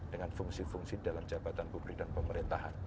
dengan fungsi fungsi dalam jabatan publik dan pemerintahan